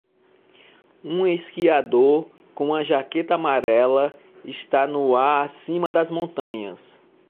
Um esquiador com uma jaqueta amarela está no ar acima das montanhas.